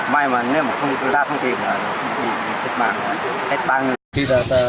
may mắn nếu mà không ra không kịp là hết bằng